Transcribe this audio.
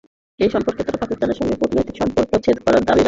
সেই সঙ্গে তারা পাকিস্তানের সঙ্গে কূটনৈতিক সম্পর্কও ছেদ করার দাবি করেছে।